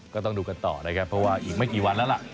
ก็ต้องดูกันต่อนะครับเพราะว่าอีกไม่กี่วันแล้วล่ะ